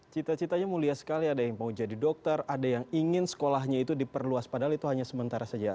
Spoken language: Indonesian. cita citanya mulia sekali ada yang mau jadi dokter ada yang ingin sekolahnya itu diperluas padahal itu hanya sementara saja